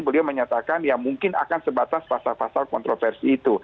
beliau menyatakan ya mungkin akan sebatas pasal pasal kontroversi itu